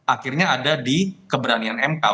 akhirnya ada di keberanian mk